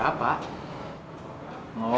bagaimana kamu tahu